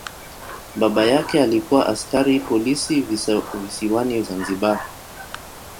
Baba yake alikuwa ni askari polisi visiwani Zanzibar.